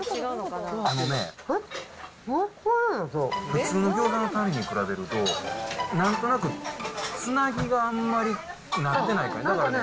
普通のギョーザの種に比べると、なんとなくつなぎがあんまりなんかね。